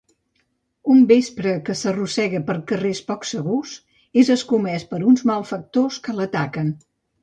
Un vespre que s'arrossega per carrers poc segurs, és escomès per uns malfactors que l'ataquen.